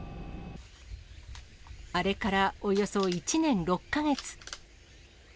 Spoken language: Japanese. あれからおよそ１年６か月。